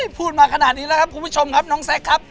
พูดมาขนาดนี้แล้วครับคุณผู้ชมครับน้องแซคครับ